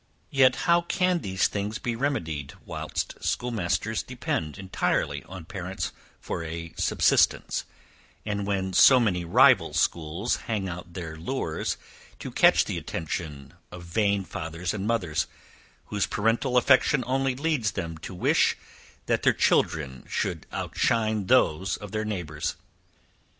Yet, how can these things be remedied whilst schoolmasters depend entirely on parents for a subsistence; and when so many rival schools hang out their lures to catch the attention of vain fathers and mothers, whose parental affection only leads them to wish, that their children should outshine those of their neighbours?